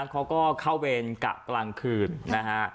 เขาก็เข้าเวรกะกลางคืนนะฮะ